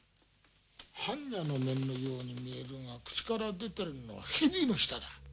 般若の面のように見えるが口から出てるものがヘビの舌だ。